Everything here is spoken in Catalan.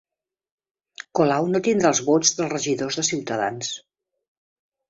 Colau no tindrà els vots dels regidors de Ciutadans